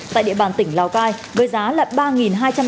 tại địa bàn tỉnh lào cai với giá là